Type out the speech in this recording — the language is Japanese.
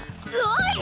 おい！